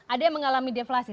ada yang mengalami deflasi